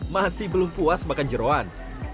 masih belum puas makan jeruan